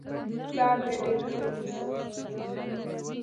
پلار مي ډېر ښه مسلمان دی .